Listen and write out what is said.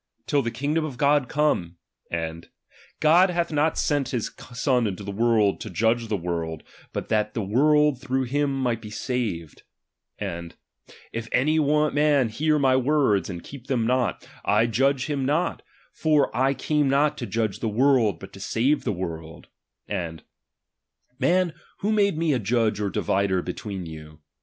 till the kingdom of God come : and, God hath not sent his Son into the world, to judge the world, but RELIGION that the world through him might he sated: and, cHAr.xvii. If any man hear my words, and heep them not, I Judge him not ijor I came not to judge the world, but to saee the world : and, Man, icho made me a judge or divider between you